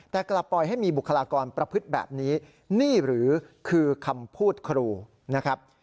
แต่กลับปล่อยให้มีบุคลากรประพฤติแบบนี้นี่หรือคือคำพูดครูนะครับ